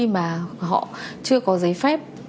mà họ chưa có giấy phép